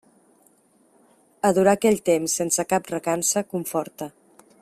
Adorar aquell temps sense cap recança conforta.